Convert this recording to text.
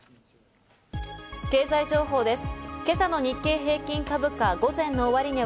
経済情報です。